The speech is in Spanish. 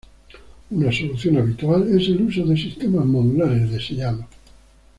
Una solución habitual es el uso de sistemas modulares de sellado.